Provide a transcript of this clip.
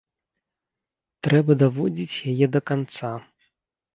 Трэба даводзіць яе да канца.